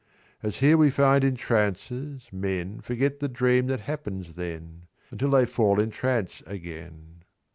"As here we find in trances, men Forget the dream that happens then, Until they fall in trance again.